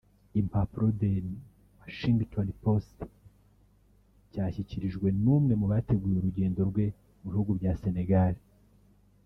Impapuro The Washington Post cyashyikirijwe n’umwe mu bateguye urugendo rwe mu bihugu bya Senegal